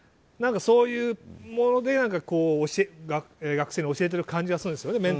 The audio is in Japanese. そういうもので学生に教えてる感じがするんですよね。